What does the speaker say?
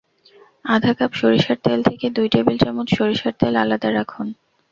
আধা কাপ সরিষার তেল থেকে দুই টেবিল চামচ সরিষার তেল আলাদা রাখুন।